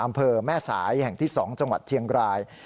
อำเภอแม่สายแห่งที่๒จังหวัดเชียงราย